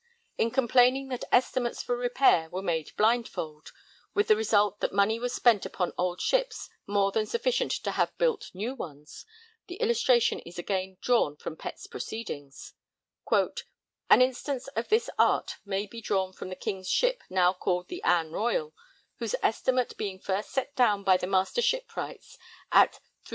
In complaining that estimates for repair were made blindfold, with the result that money was spent upon old ships more than sufficient to have built new ones, the illustration is again drawn from Pett's proceedings: An instance of this art may be drawn from the King's ship now called the Anne Royal, whose estimate being first set down by the Master Shipwrights at 3576_l.